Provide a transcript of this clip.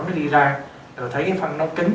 nó đi ra rồi thấy cái phân nó kín